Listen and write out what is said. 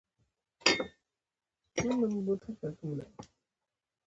نجلۍ د اوبو ګېلاس هغه ته ونيو.